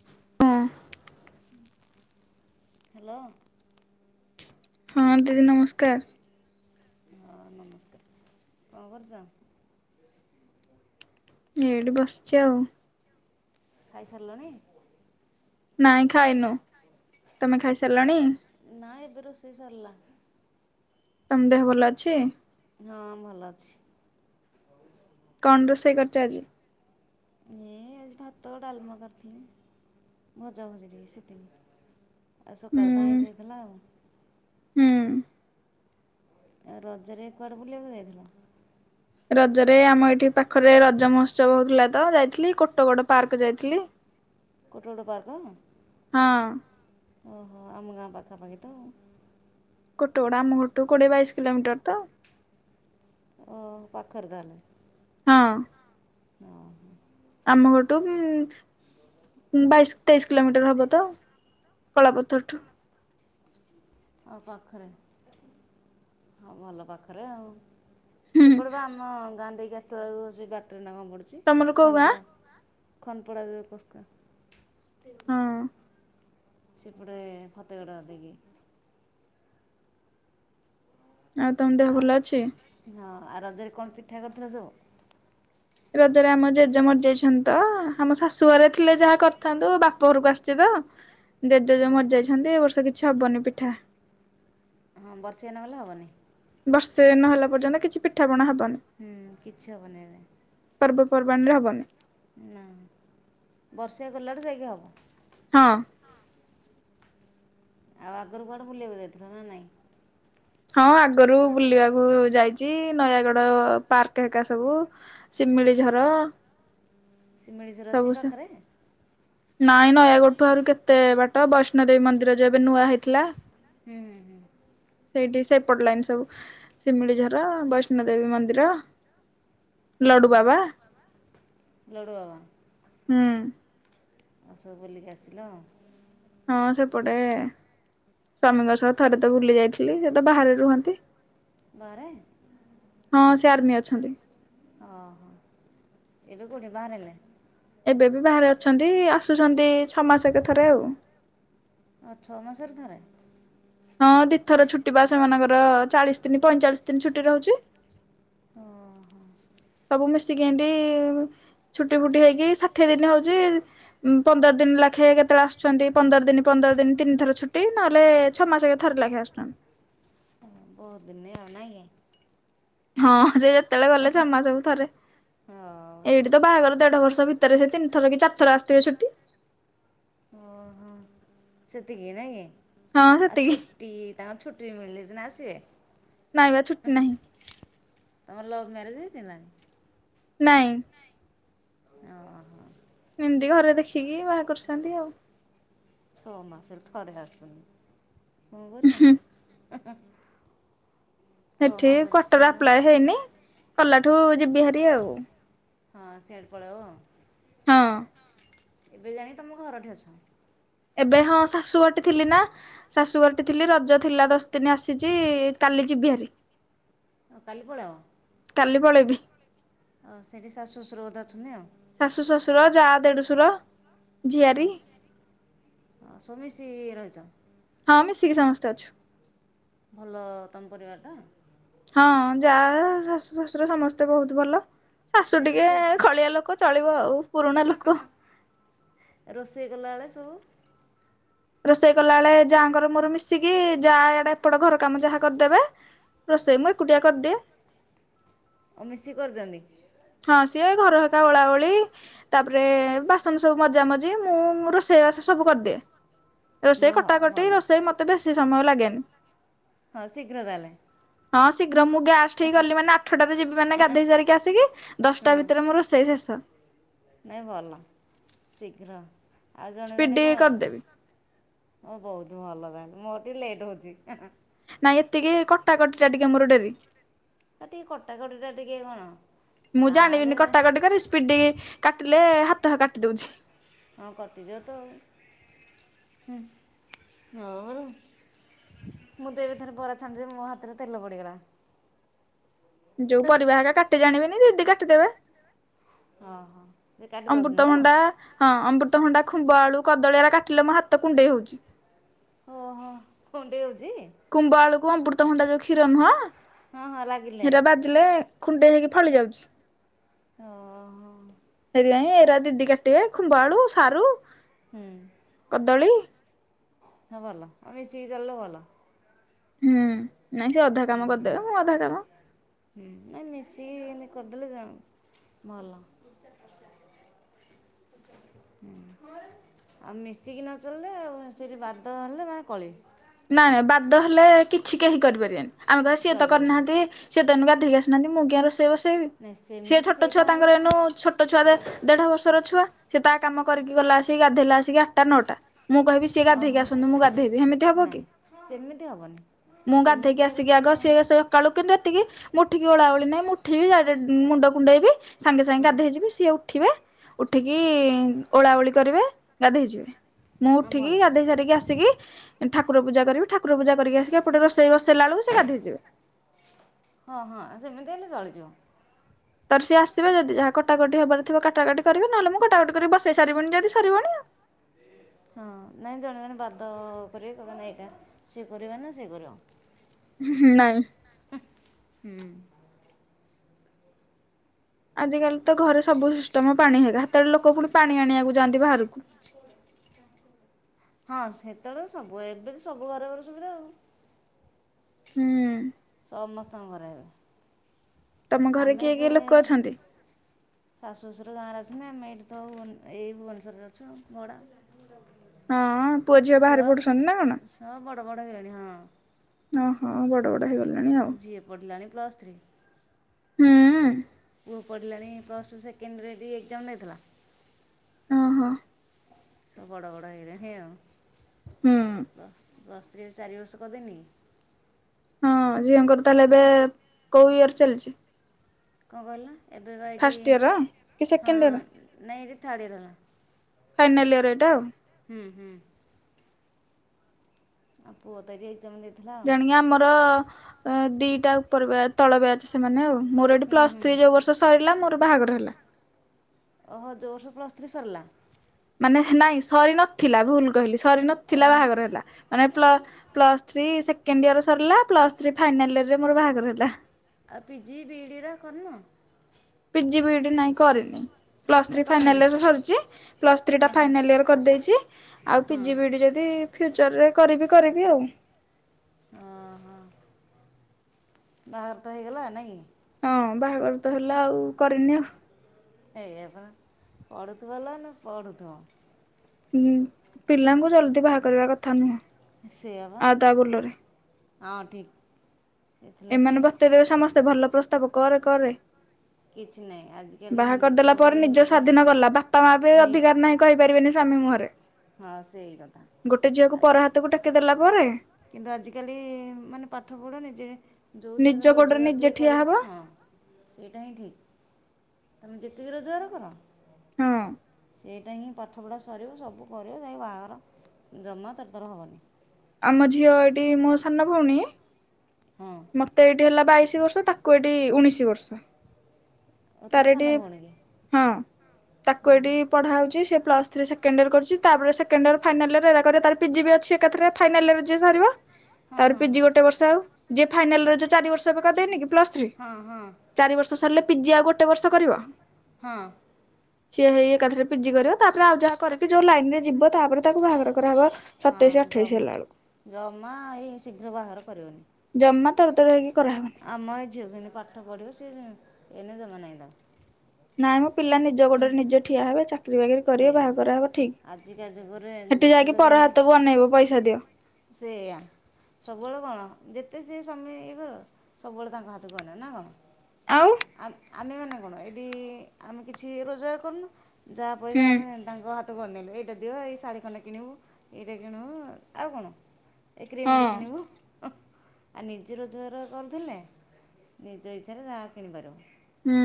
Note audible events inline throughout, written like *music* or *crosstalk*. *unintelligible* Hello. ହଁ ଦିଦି ନମସ୍କାର। ହଁ ନମସ୍କାର। କଣ କରୁଚ? ଏଇଠି ବସିଛି ଆଉ। ଖାଇସାରିଲଣି? ନାଇଁ ଖାଇନୁ। ତମେ ଖାଇସାରିଲଣି? ନାଇଁ ଏବେ ରୋଷେଇସରଲା। ତମ ଦେହ ଭଲ ଅଛି? ହଁ ଭଲ ଅଛି। କଣ ରୋଷେଇ କରିଚ ଆଜି? ଏ ଆଜି ଭାତ ଡାଲମା କରିଥିଲି ଭଜା *unintelligible* ସେତିକି। ଆ ସକାଳେ ତ ହୁଁ ଆଇଁଷ ହେଇଥିଲା। ହୁଁ। ଆଉ ରଜରେ କୁଆଡ଼େ ବୁଲିବାକୁ ଯାଇଥିଲ? ରଜରେ ଆମ ଏଠି ପାଖରେ ରଜ ମହୋତ୍ସବ ହଉଥିଲା ତ ଯାଇଥିଲି କୋଟ ଗୋଡ ପାର୍କ ଯାଇଥିଲି। *unintelligible* କୋଟଡ଼ ପାର୍କ ହଁ ଓହୋ ଆମ ଗାଁ ପାଖାପାଖି ତ। କୋଟଗୁଡ଼ା ଆମ ଘରଠୁ କୋଡ଼ିଏ ବାଇଶ କିଲୋମିଟର ତ। ଓ ପାଖରେ ତାହେଲେ। ହଁ। ଓଁ ହୋ। ଆମ ଘରଠୁ ଉମ ବାଇଶି ତେଇଶି କିଲୋମିଟର ହେବ ତ କଳାପଥରଠୁ ଓ ହୋ ପାଖରେ। ହଁ ଭଲ ପାଖରେ ଆଉ ସେପଟ ବା ଆମ ଗାଁ ଦେଇ ଆସିଥିବ ସେ *unintelligible* ଅଛି ତମର କୋଉ ଗାଁ ଖନପଡ଼ା ଖନପଡ଼ା ଦେ କୋସ୍କା। ହଁ। ସେପଟେ ଖତେଗଡ଼ା ଦେଇକି। ଆଉ ତମ ଦେହ ଆ ଭଲ ଅଛି? ହଁ ଆଉ ରଜରେ କଣ ପିଠା କରିଥିଲ ସବୁ? ରଜରେ ଆମ ଜେଜେ ମରିଯାଇଛନ୍ତି ତ ଆମ ଶାଶୁ ଘରେ ଥିଲେ ଯାହା କରିଥାନ୍ତୁ ବାପ ଘରକୁ ଆସିଛି ତ। *unintelligible* ଜେଜେ ଯୋଉଁ ହଁ। ମରିଯାଇଛନ୍ତି ଏ ବର୍ଷ କିଛି ହବନି ପିଠା। ହଁ ବର୍ଷଆ ନଗଲେ ହବନି। ବର୍ଷେ ନ ନେଲା ପର୍ଯ୍ୟନ୍ତ କିଛି ପିଠାପଣା ହବନି। ହୁଁ କିଛି ହବନି ଏବେ। ପର୍ବପର୍ବାଣିରେ ହବନି। ନା ବର୍ଷାଆ କଲାଠୁ ଯାଇକି ହବ। ହଁ। ଆଉ ଆଗରୁ କୁଆଡେ ବୁଲିବାକୁ ଯାଇଥିଲ ନା ନାଇଁ? ହଁ ଆଗରୁ ବୁଲିବାକୁ ଯାଇଛି ନୟାଗଡ ପାର୍କ ହେକା ସବୁ। ଶିମିଳିଝର। ସେ ମିଳିଝର ସେ ପାଖରେ? ନାଇଁ ନୟାଗଡ଼ଠୁ ଆହୁରି କେତେ ବାଟ ବୈଷ୍ଣୋ ଦେବୀ ର ଯୋ ଏବେ ନୂଆ ହେଇଥିଲା। ହୁଁ ହୁଁ ହୁଁ। ସେଇଠି ସେପଟ ଲାଇନ ସବୁ ଶିମିଳିଝର ବୈଷ୍ଣୋ ଦେବୀ ମନ୍ଦିର। ଲଡୁ ବା। ଲଡୁ ବାବା। ହୁଁ। ସବୁ ବୋଲିକି ଆସିଲ। ହଁ ସେପଟେ ସ୍ଵାମୀଙ୍କ ସହ ଥରେ ତ ବୁଲି ଯାଇଥିଲି ସେ ତ ବାହାରେ ରୁହନ୍ତି। ବାହାରେ? ହଁ ସେ ଆର୍ମି ଅଛନ୍ତି। ଓ ହୋ ଏବେ କୋଉଠି ବାହାରେ ନେ? ଏବେବି ବାହାରେ ଅଛନ୍ତି ଆସୁଛନ୍ତି ଛଅ ମାସକେ ଥରେ ଆଉ। ଅଁ ଛଅ ମାସରେ ଥରେ? ହଁ ଦି ଥର ଛୁଟିବା ସେମାନଙ୍କର ଚାଳିଶି ଦିନ ପଇଁଚାଳିଶି ଦିନ ଛୁଟି ରହୁଚି ଓହୋ। ସବୁ ମିଶିକି ଏମିତି ଛୁଟି ଫୁଟି ହେଇକି ଷାଠିଏ ଦିନ ହଉଚି ପନ୍ଦର ଦିନ ଲାଖେ କେତେବେଳେ ଆସୁଚନ୍ତି ପନ୍ଦର ଦିନ ପନ୍ଦର ଦିନ ତିନି ଥର ଛୁଟି ନହେଲେ ଛଅ ମାସେକେ ଥର ଲେଖେ ଆସୁଚନ୍ତି। ବୋହୁତ୍ ଦିନି ନାଗି? ହଁ ସେ ଯେତେବେଳେ ଗଲେ ଛଅମାସକୁ ଥରେ କି ହଉ। ଏଇଠିତ ବାହାଘର ଦେଢ ବର୍ଷି ଭିତରେସେ ତିନିଥରକି ଚାର ଥର ଆସିିଥିବେ ଛୁଟି ଓଁହୋ। ସେତିକି ହଁ ନାଇଁକି ଆଉ ସେତିକି ଛୁଟି ତାଙ୍କର ଛୁଟି ମିଳିଲେ ସିନା ଆସିବେ। ନାଇଁ ବା ଛୁଟି ନାହିଁ ତମର ଲଭ ମ୍ୟାରେଜ ହେଇଥିଲା? ନାଇଁ। ଓହୋ ଏମିତି ଘରେ ଦେଖିକି ବାହା କରିଚନ୍ତି ଆଉ। ଛଅ ମାସରେ ଥରେ ଆସୁଚନ୍ତି କଁ କରିବ। ଛଅ ସେଠି ମାସରେ କ୍ଵାଟର ଥରେ ଆପ୍ଲାଏ ହେଇନି କଲାଠୁ ଯିବି ହାରି ଆଉ। ହଁ ସିଆଡ଼େ ପଳେଇବ ହଁ। ଏବେ ଜାଣି ତମ ଘରଠେ ଅଛ? ଏବେ ହଁ ଶାଶୁଘଟି ଥିଲିନା ଶାଶୁଘରଟି ଥିଲି ରଜ ଥିଲା ଦଶ ଦିନ ଆସିଚି କାଲି ଯିବିି ହାରି। ଓ କାଲି ପଳେଇବ? କାଲି ପଳେଇବି। ଓ ସେଠି ଶାଶୁ ଶଶୁର ବୋଧେ ଅଛନ୍ତି ଆଉ। ଶାଶୁ ଶ୍ୱଶୁର ଯା ଦେଢଶୁର ହଁ ଝିଆରୀ ହଁ ସବୁ ସମିଶି ରହିଚ? ହଁ ମିଶିକି ସମସ୍ତେ ଅଛୁ। ଭଲ ତମ ପରିବାରଟା? ହଁ ଯା ଶାଶୁ ଶଶୁର ସମସ୍ତେ ବହୁତ୍ ଭଲ ଶାଶୁ ନାଇଁ ଟିକେ ରୋଷେଇ କଳିଆ ଲୋକ ଚଳିବ ଆଉ ପୁରୁଣା ଲୋକ। ରୋଷେଇ କଲାବେଳେ ସବୁ? ରୋଷେଇ କଲା ବେଳେ ଯାଆଙ୍କର ମୋର ମିଶିକି ଯାଆ ଇଆଡ଼େ ଏପଟ ଘର କାମ ଯାହା କରିଦେବେ ରୋଷେଇ ମୁଁ ଏକୁଟିଆ କରିଦିଏ। ଓଃ ମିଶିକି କରିଦିଅନ୍ତି? ହଁ ସିଏ ଘରଘେରିକା ଓଳା ଓଳି ତାପରେ ବାସନ ସବୁ ମଜା ମଜି ମୁଁ ମୋର ରୋଷେଇବାସ ସବୁ କରିଦିଏ। ହଁ ରୋଷେଇ ହଉ କଟାକଟି ଭଲ ରୋଷେଇ ମତେ ବେଶୀ ସମୟ ଲାଗେନି। ହଁ ଶୀଘ୍ର ତାହାଲେ? ହଁ ଶୀଘ୍ର ମୁଁ ଗ୍ୟାସ୍ ଠିକ୍ ଗଲିମାନେ ଆଠଟାରେ ଯିବିମାନେ ଗାଧେଇ ସାରିକି ଆସିକି ଦଶଟା ହୁଁ। ଭିତରେ ମୋ ରୋଷେଇ ଶେଷ। ନାଇଁ ଭଲ ଶୀଘ୍ର ଆଉ ଜଣେ ଜଣେ ସ୍ପିଡି କଣ କରିଦେବି। ହଁ ବହୁତ୍ ଭଲ ତାହେଲେ ମୋର ଟିକେ ଲେଟ୍ ହଉଚି। ନାଇଁ ଏତିକି କଟା କଟିଟା ଟିକେ ମୋର ଡେରି। ଆ ଟିକେ କଟା କଟିଟା ଟିକେ କଣ ଯାହା ହେଲେ ସ୍ପିଡ଼ କାଟିଲେ ହାତ କାଟି ଦଉଛି। ହଁ, କଟିଯିବ ତ ଆଉ, ହଉ ମୁଁ ଟିକେ ଏବେଥରେ ବରା ଛାଣୁଥିଲି, ମୋ ହାତରେ ତେଲ ପଡିଗଲା। ଯୋଉ ପରିବାହେରିକା କାଟି ଜାଣିବିନି, ଦିଦି କାଟିଦେବେ। ଓହୋ, ସେ କାଟି ଦଉଚନ୍ତି ଅମୃତଭଣ୍ଡା ତ? ହଁ ଅମୃତଭଣ୍ଡା, ଖୁମ୍ବ ଆଳୁ, କଦଳୀ ଏରା କାଟିଲେ ମୋ ହାତ କୁଣ୍ଡେଇ ହଉଚି। ଓହୋ, କୁଣ୍ଡେଇ ହଉଚି? ଖୁମ୍ବ ଆଳୁକୁ ଅମୃତ ଭଣ୍ଡା ଯୋଉ ଖିର ନୁହଁ ହଁ ହଁ ଲାଗିଲାଣି। ହେରା ବାଜିଲେ କୁଣ୍ଡେଇ ହେଇକି ଫଳି ଯାଉଚି, ଓହୋ ସେଇଥିପାଇଁ ଏରା ଦିଦି କା ଟିବେ ଖୁମ୍ବ ଆଳୁ, ସାରୁ ହୁଁ। କଦଳୀ। ହଁ ଭଲ, ଆ ମିଶିକି ଚଳିଲେ ଭଲ। ହୁଁ, ନାଇଁ ସେ ଅଧା କାମ କରିଦେବେ, ମୁଁ ଅଧା କାମ ହୁଁ, ନାଇଁ ମିଶିକି ଏମିତି କରିଦେଲେ ଜନ୍ ଭଲ। ହୁଁ *unintelligible* ଆଉ ମିଶିକି ନଚଳିଲେ, ଆଉ ସେଠି ବାଦ ହେଲେ ମାନେ କଳି? ନାଇଁ ନାଇଁ ବାଦ ହେଲେ କିଛି କେହି କରିପାରିବେନି, ଆମେ କହିବା ସିଏତ ଚଳିପାରିବନି କରିନାହାନ୍ତି ସେତେ ଏଇନୁ ଗାଧେଇକି ଆସିନାହାନ୍ତି, ମୁଁ କିଆଁ ରୋସେଇ ବସେଇବି, ନାଇଁ ସେ ସେମିତି ଛୋଟ ସେଇଟା ଛୁଆ ତାଙ୍କର ହେଲା ଏନୁ ଛୋଟ୍ ଛୋଟ ଛୁଆ ତେ, ଦେଢ ବର୍ଷର ଛୁଆ, ସେ ତା କାମ କରିକି ଗଲା ଆସିକି, ଗାଧେଇଲା ଆସିକି, ଆଠଟା ନଅଟା। ମୁଁ କହିବି ସିଏ ଗାଧେଇକି ଓହୋ ଆସନ୍ତୁ, ମୁଁ ଗାଧେଇବି, ହେମିତି ହବ କି? ନାଇଁ ସେମିତି ହବନି। ମୁଁ ଗାଧେଇକି ଆସିକି ଆଗ ସିଏ *unintelligible* ସକାଳୁ କିନ୍ତୁ ଏତିକି, ମୁଁ ଉଠିକି ଓଳାଓଳି ନାହିଁ, ମୁଁ ଉଠିବି ଡାଇରେକ୍ଟ୍ ମୁଣ୍ଡ କୁଣ୍ଡେଇବି ସାଙ୍ଗେ ସାଙ୍ଗେ ହଁ ଗାଧେଇଯିବି, ସିଏ ଉଠିବେ ଉଠିକି, ଓଳା ଓଳି କରିବେ, ଗାଧେଇଯିବେ। ମୁଁ ହଁ ଭଲ ଉଠିକି ଗାଧେଇସାରିକି ଆସିକି ଠାକୁରପୂଜା କରିବି, ଠାକୁରପୂଜା କରିକି ଆସିକି ଏପଟେ ରୋଷେଇ ବସେଇଲା ବେଳକୁ ସେ ଗାଧେଇଯିବେ। ହଁ ହଁ ସେମିତି ହେଲେ ଚଳିଯିବ। ତାପରେ ସିଏ ଆସିବେ, ଯଦି ଯାହା କଟାକଟି ହବାରଥିବ କାଟାକଟି କରିବେ ନହେଲେ ମୁଁ କଟାକଟି କରିକି ବସେଇସାରିବିଣି ଯଦି ସରିବଣି ଆଉ। ହଁ, ନାଇଁ ଜଣେ ଜଣେ ବାଦ କରିବେ, କହିବେ ନା ଏଇଟା ସିଏ କରିବ ନା ସିଏ କରିବ। ହୁଁ, ନାଇଁ। ହୁଁ ଆଜିକାଲି ତ ଘରେ ସବୁ ସିଷ୍ଟମ୍ ପାଣି ହେଇକା, ସେତେବେଳେ ଲୋକ ପୁଣି ପାଣି ଆଣିବାକୁ ଯାଆନ୍ତି ବାହାରକୁ *unintelligible* ହଁ ସେତେବେଳେ ତ ସବୁ, ଏବେ ତ ସବୁ ଘରେଘରେ ସୁବିଧା ଆଉ ହୁଁ ସମସ୍ତଙ୍କ ଘର ଏବେ ତମ ଘରେ ଆମେ କିଏ କିଏ ଲୋକ ଏବେ ଅଛନ୍ତି? ଶାଶୁ ଶ୍ୱଶୁର ଗାଁରେ ଅଛନ୍ତି, ଆମେ ଏଠି ତ ଏଇ ଭୁବନେଶ୍ୱରରେ ଅଛୁ, ଭଡା ଆଉ ହଁ ପୁଅ ଝିଅ ବାହାରେ ଛୁଆ, ପଢୁଛନ୍ତି ନା କଣ? ଛୁଆ ବଡ-ବଡ଼ ହେଇଗଲେଣି ଓହୋ ବଡ ବଡ ହେଇଗଲେଣି ଆଉ ହଁ ଝିଅ ପଢ଼ିଲାଣି ପ୍ଲସ୍ ଥ୍ରୀ ହୁଁ ପୁଅ ପଢ଼ିଲାଣି ପ୍ଲସଟୁ ସେକେଣ୍ଡରଟି ଏକଜାମ୍ ଦେଇଥିଲା। ଓହୋ ସବୁ ବଡ ବଡ ହେଇଗଲେଣି ଆଉ ହୁଁ। ପ୍ଲ ପ୍ଲସ୍ ଥ୍ରୀ ଚାରି ବର୍ଷ କରିଦେନି। ହଁ ଝିଅଙ୍କର ତାହେଲେ ଏବେ କୋଉ ଇୟର ଚାଲିଚି? କଣ କଇଲ ଏବେ ବା ଫାଷ୍ଟ ଇୟର ଏଇଠି, କି ହଁ ସେକେଣ୍ଡ ଇୟର ନାଇଁ ଏଇଠି ଥାର୍ଡ ଇୟର ହେଲା। ଫାଇନାଲ୍ ଇୟର ଏଟା ଆଉ ହୁଁ ହୁଁ। ଆଉ ପୁଅତ ଆଜି ଏକ୍ସାମ୍ ଦେ ଜାଣିକି ଆମର ଦିଟା ଉପର ବ୍ୟା, ତଳ ବ୍ୟାଚ ସେ ମାନେ ଆଉ ମୋର ଏଠି ହୁଁ ପ୍ଲସ୍ ହୁଁ ଥ୍ରୀ ଯୋଉ ବର୍ଷ ସରିଲା ମୋର ବାହାଘର ହେଲା। ଓହୋ ଯୋଉ ବର୍ଷ ପ୍ଲସ୍ ଥ୍ରୀ ସରିଲା ମାନେ ନାଇଁ ସରି ନଥିଲା, ଭୁଲ କହିଲି ସରି ନଥିଲା ଓହୋ ବାହାଘର ହେଲା। ମାନେ ପ୍ଲ ପ୍ଲସ୍ ଥ୍ରୀ ସେକେଣ୍ଡ ଇୟର ସରିଲା, ପ୍ଲସ୍ ଥ୍ରୀ ଫାଇନାଲ୍ ଇୟରରେ ମୋର ବାହାଘର ହେଲା। ଆଉ ପିଜି, ବିଇଡି ରେ କରିନ? ପିଜି, ବିଇଡି ନାଇଁ କରିନି। ପ୍ଲସ ଏରା ଥ୍ରୀ କଲନି ଫାଇନାଲ ଇୟର ସରିଚି, ପ୍ଲସ ଥ୍ରୀ ଟା ଓହୋ ଫାଇନାଲ ଇୟର କରିଦେଇଛି। ଆଉ ପିଜି, ହଁ ବିଇଡି ଯଦି ଫ୍ୟୁଚରରେ କରିବି କରିବି ଆଉ ହଁ ହଁ। ବାହାଘର ତ ହେଇଗଲା ନାଇଁ? ହଁ ବାହାଘର ତ ହେଲା ଆଉ କରିନି ଆଉ। ଏଇଆ ପା ପଢୁଥିବନା ନାଁ ପଢୁଥିବ। ହଁ, ପିଲାଙ୍କୁ ଜଲ୍ଦି ବାହା କରିବା କଥା ନୁହେଁ। ସେଇଆ ବା ହୁଁ ହୁଁ ହଁ ଠିକ୍। ସେଥିଲାଗି ଏମାନେ ବତେଇ ଦେବେ ସମସ୍ତେ ଭଲ ପ୍ରସ୍ତାବ କରେ କରେ। କିଛି ନାଇଁ ଆଜି ବାହା କରିଦେଲା ପରେ ନିଜ ସ୍ଵାଧୀନ ଗଲା, ବାପା ମା ବି ନି ଅଧିକାର ନାହିଁ। କହିପାରିବେନି ସ୍ୱାମୀ ମୁହଁରେ, ହଁ ସେଇ କଥା ଗୋଟେ ଆ ଝିଅକୁ ପର ହାତକୁ ଟେକି ଦେଲା ପରେ। କିନ୍ତୁ ଆଜିକାଲି ମାନେ ପାଠ ପଢ଼ ନିଜେ ନିଜ ଯୋଉଁଥିରେ ଗୋଡରେ ରୋଜଗାର ନିଜେ ଟିିକେ ଠିଆ ହବ କରିବ ହଁ। ସେଇଟା ହିଁ ଠିକ୍, ତମେ ଯେତିକି ରୋଜକାର କର ହଁ। ଏଇଟା ହିଁ ପାଠପଢ଼ା ସରିବ ସବୁ କରିବ ଯାଇଁ ବାହାଘର ଜମା ତରତର ହବନି। ଆମ ଝିଅ ଏଟି, ମୋ ସାନ ଭଉଣୀ ହଁ। ମତେ ଏଇଟି ହେଲା ବାଇଶି ବର୍ଷ, ତାକୁ ଏଇଟି ଉଣେଇଶି ବର୍ଷ। ଆଉ ତୁମ ତାର ସାନ ଏଠି ଭଉଣୀ କି ହଁ ତାକୁ ଏଠି ଓହୋ। ପଢା ହଉଛି ସେ ପ୍ଲସ୍ ଥ୍ରି ସେକେଣ୍ଡ ଇୟର କରୁଚି, ତାପରେ ସେକେଣ୍ଡ ଇୟର, ଫାଇନାଲ ଇୟର ଏରା କରିବ, ତାର ପିଜି ବି ଅଛି ଏକାଥରେ ଫାଇନାଲ ଇୟରରେ ଯିଏ ସାରିବ। ହଁ ତାପରେ ହଁ ପିଜି ଗୋଟେ ବର୍ଷ ଆଉ, ଯିଏ ଫାଇନାଲ ଇୟର ଯୋଉ ଚାରି ବର୍ଷ କରିଦେଇନି କି ପ୍ଲସ୍ ଥ୍ରୀ। ହଁ ହଁ ହଁ ଚାରି ବର୍ଷ ସରିଲେ ପିଜି ଆଉ ଗୋଟେ ବର୍ଷ କରିବ। ହଁ। ସିଏ ହେଇ ଏକାଥରେ ପିଜି କରିବ ତାପରେ ଆଉ ଯାହା କରେକିି ଯୋଉ ଲାଇନ୍ ରେ ଯିବ ତାପରେ ତାକୁ ବାହାଘର କରାହବ। ହଁ ସତେଇଶି ଜ ଅଠେଇଶି ହେଲା ବେଳକୁ ଜମା ଏଇ ଶୀଘ୍ର ବାହାଘର କରିବନି। ଜମା ତର ତର ହେଇକି କରାହବନି। ଆମ ଏ ଝିଅ କେମିତି ପାଠ ପଢ଼ିବ ସେ ଏନେ ଯମା ନାହିଁ ତାଙ୍କର। ନାଇଁ ମୋ ପିଲା ନିଜ ଗୋଡରେ ନିଜେ ଠିଆ ହେବେ। ଚା ଚାକିରି ବାକିରି କରିବେ ସେଇଆ। ବାହା କରାହବ ଠିକ୍। ଆଜିକା ଯୁଗରେ ହେଠି ଦେଖୁଛ ଯାଇକି ପର ହାତକୁ ଅନେଇବୁ ପଇସା ଦିଅ। ସେୟା। ସବୁବେଳେ କଣ ଯେତେ ସିଏ ସ୍ବାମୀ ଇଏ ହୁଅ ସବୁବେଳେ ତାଙ୍କ ହାତକୁ ଅନେଇବ ନା କଣ? ଆଉ? ଆ ଆମେ ମାନେ କଣ ଏଇଠି ଆମେ କିଛି ରୋଜଗାର କରୁନୁ। ଯାହା ହୁଁ। ପଇସା ଆମେ ତାଙ୍କ ତୁ ବନେଇଲୁ ଏଇଟା ଦିଅ ଏଇ ଶାଢ଼ୀ ଖଣ୍ଡେ କିଣିବୁ ଏଇଟା କିଣିବୁ ଆଉ କଣ? ଏ କ୍ରିମ୍ ହଁ। ଟେ କିଣିବୁ। ଆ ନିଜେ ରୋଜଗାର କରୁଥିଲେ ନିଜ ଇଚ୍ଛାରେ ଯାହା କିଣିପାରିବ। ହୁଁ।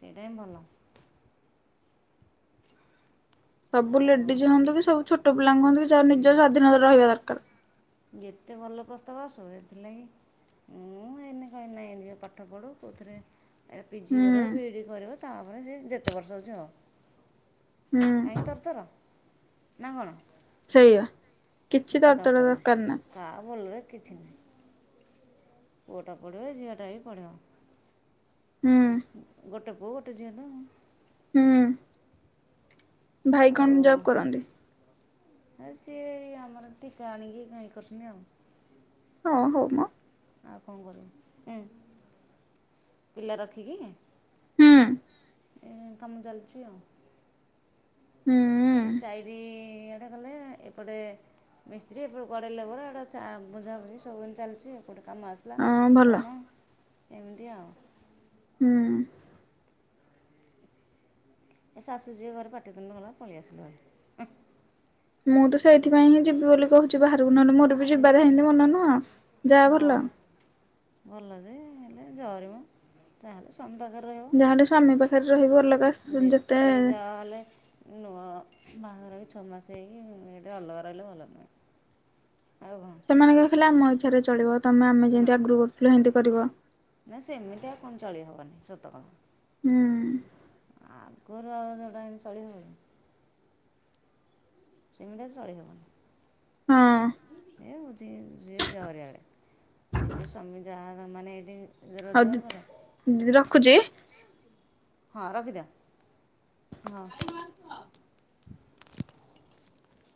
ସେଇଟା ହିଁ ଭଲ। ସବୁ ଆଉ ଲେଡିଜ୍ ହୁଅନ୍ତୁ କି ସବୁ ଛୋଟ ପିଲା ହୁଅନ୍ତୁ କି ଯାହା ନିଜ ସ୍ୱାଧୀନତା ରହିବା ଦରକାର। ଯେତେ ଭଲ ପ୍ରସ୍ତାବ ଆସୁ ଏଥିଲାଗି ମୁଁ ଏନି କହିନାହିଁ ଯେ ପାଠ ପଢୁ କଉଥିରେ ଏ ପି ଜି କରିବ ହୁଁ ବି ଇ ଡ଼ି କରିବ ତାପରେ ସେ ଯେତେ ବର୍ଷ ହେଉଛି ହଉ। ହୁଁ କାହିଁକି ତର ତର ନା କଣ? ସେଇଆ କିଛି ତର ତର ଦରକାର ନାହିଁ। ତା ଭଲରେ କିଛି ନାହିଁ। ପୁଅଟା ପଢିବ ଝିଅଟା ବି ପଢିବ। ହୁଁ ଗୋଟେ ପୁଅ ଗୋଟେ ଝିଅ ତ ଆଉ। ହୁଁ, ଭାଇ କଣ ଜବ କରନ୍ତି? ଆ ସିଏ ଆମର ଟିକା ଆଣିକି କଣ ଇଏ କରୁଛନ୍ତି ଆଉ। ହଁ ହଉ ମ। ଆଉ କଣ କରିବୁ ହୁଁ ପିଲା ରଖିକି? ହୁଁ। ଏ କାମ ଚାଲିଛି ଆଉ। ହୁଁ ଏ ସାଇଡ଼ି ଆଡେ ଗଲେ ଏପଟେ ମିସ୍ତ୍ରୀ ଏପଟ ଗଡ଼େ ଲେବର ଏଟା ବୁଝାବୁଝି ସବୁ ଚାଲିଛି ଏପଟେ କାମ ଆସୁଛି ହେଲା ହଁ ଭଲ। କଣ ଏମିତି ଆଉ। ହୁଁ! ଏ ଶାଶୁ ଝିଅ ଘରେ ପାଟି ତୁଣ୍ଡୁ ହେଲା ପଳେଇଆସିଲୁ। ମୁଁ ତ ସେଇଥିପାଇଁ ହିଁ ଯିବି ବୋଲି କହୁଛି ବାହାରକୁ ନହେଲେ ମୋର ବି ଯିବାର ସେଥିରେ ହେମିତି ମନ ନୁହଁ ଯାହା ହଁ ଭଲ। ଭଲ ଯେ ହେଲେ ଜରି ମ ତାହେଲେ ତମ ପାଖରେ ରହିବା ଯାହେଲେ ସ୍ୱାମୀ ପାଖରେ ରହିବ ଅଲଗା। ଯେତେ ଯାହା ହେଲେ ନୂଆ ବାହାଘର ବି ଛଅମାସ ହେଇକି ଏଇଟା ଅଲଗା ରହିଲେ ଭଲ ନୁହେଁ। ଆଉ କ'ଣ ସେମାନେ କହିଲେ ଆମ ଇଚ୍ଛାରେ ଚଳିବ ତମେ ଆମେ ନା ଯେମିତି ଆଗରୁ କରୁଥିଲେ ଏମିତି କରିବ। ନା ସେମିତି ଆଉ କଣ ଚଳେଇ ହବନି ସତ ହୁଁ କଥା ଆଉ। କୂଅରୁ ଆଉ ଯେଉଁଟା ଏମିତି ଚଳି ହବ କି? ସେମିତି ଆଉ ଚଳିହବନି। ହଁ ଏ ହେଉଛି ଯିଏ ଜରିଆଳେ ନିଜ ସ୍ୱାମୀ ଯାହା ମାନେ ଏଇଠି ହଉ ରୋଜଗାର ଦି- କର, ଦିଦି ରଖୁଛି। ହଁ ରଖିଥାଅ। ହଁ।